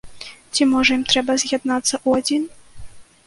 Ці, можа, ім трэба з'яднацца ў адзін?